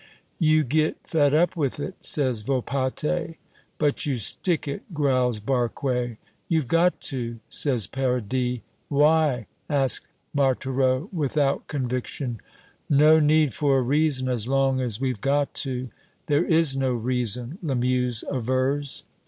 "You get fed up with it," says Volpatte. "But you stick it," growls Barque. "You've got to," says Paradis. "Why?" asks Marthereau, without conviction. "No need for a reason, as long as we've got to." "There is no reason," Lamuse avers.